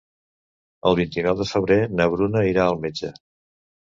El vint-i-nou de febrer na Bruna irà al metge.